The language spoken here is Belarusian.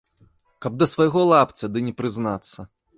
Каб да свайго лапця ды не прызнацца!